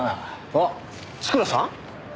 あっ千倉さん？